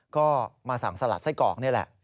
ก็มาสั่งสลัดไส้กรอกนี่แหละ